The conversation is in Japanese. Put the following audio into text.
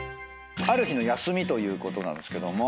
ある日の休みということですけど。